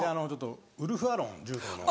ウルフ・アロン柔道の。